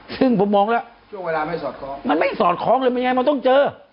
ซึ่งผมมองแล้วมันไม่สอดคล้องเลยมันยังไงมันต้องเจอ